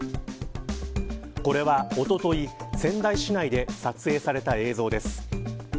これは、おととい仙台市内で撮影された映像です。